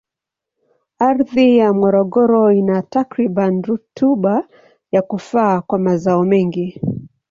Ardhi ya Morogoro ina takribani rutuba ya kufaa kwa mazao mengi.